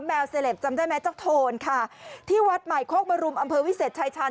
เซลปจำได้ไหมเจ้าโทนค่ะที่วัดใหม่โคกบรุมอำเภอวิเศษชายชาญ